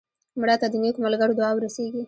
مړه ته د نیکو ملګرو دعا ورسېږي